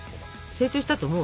成長したと思う？